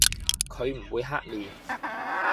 佢唔會黑面